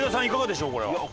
いかがでしょう？